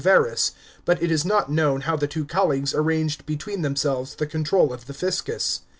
Verus, but it is not known how the two colleagues arranged between themselves the control of the fiscus.